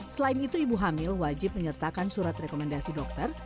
selain itu ibu hamil wajib menyertakan surat rekomendasi dokter